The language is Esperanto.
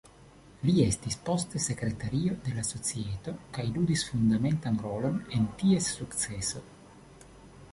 Li estis poste sekretario de la societo kaj ludis fundamentan rolon en ties sukceso.